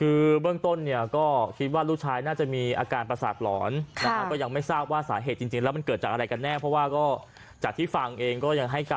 คือเบื้องต้นเนี่ยก็คิดว่าลูกชายน่าจะมีอาการประสาทหลอนก็ยังไม่ทราบว่าสาเหตุจริงแล้วมันเกิดจากอะไรกันแน่เพราะว่าก็จากที่ฟังเองก็ยังให้การ